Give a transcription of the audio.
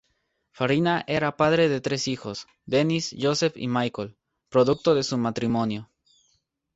Farina era padre de tres hijos: Dennis, Joseph y Michael, producto de su matrimonio.